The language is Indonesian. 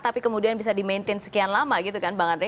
tapi kemudian bisa di maintain sekian lama gitu kan bang andre